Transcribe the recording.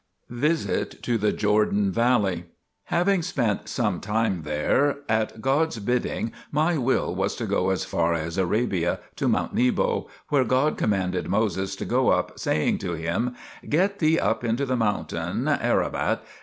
VISIT TO THE JORDAN VALLEY Having spent some time there, at God's bidding my will was to go as far as Arabia, to mount Nebo, where God commanded Moses to go up, saying to him: Get thee up into the mountain Arabot?